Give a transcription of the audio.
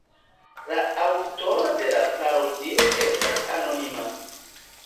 La aŭtoro de la parodio estas anonima.